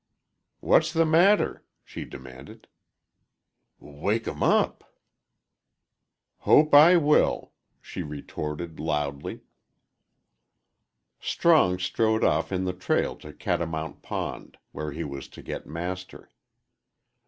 "What's the matter?" she demanded. "W wake 'em up." "Hope I will," she retorted, loudly. Strong strode off in the trail to Catamount Pond, where he was to get Master.